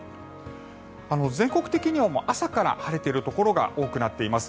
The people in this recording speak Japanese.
全国的には朝から晴れているところが多くなっています。